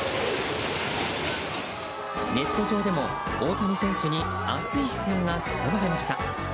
ネット上でも大谷選手に熱い視線が注がれました。